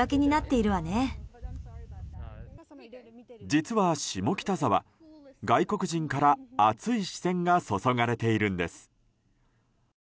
実は下北沢、外国人から熱い視線が注がれているんです。